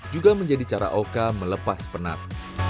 juga menjadi cara oka melepas penat